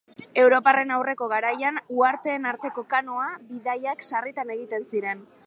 Europarren aurreko garaian, uharteen arteko kanoa bidaiak sarritan egiten ziren.